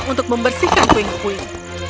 untuk membersihkan puing puing